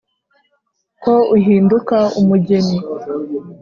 ko uhinduka umugeni.